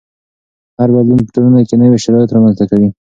هر بدلون په ټولنه کې نوي شرایط رامنځته کوي.